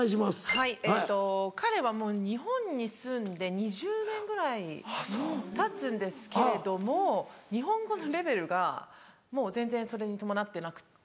はいえっと彼はもう日本に住んで２０年ぐらいたつんですけれども日本語のレベルがもう全然それに伴ってなくって。